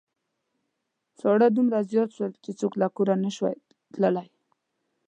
ساړه دومره زيات شول چې څوک له کوره نشوای تللای.